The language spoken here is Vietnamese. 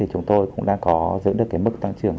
chúng tôi cũng đã có giữ được mức tăng trưởng